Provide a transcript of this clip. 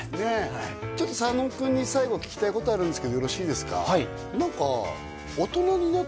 ちょっと佐野君に最後聞きたいことあるんですけどよろしいですか？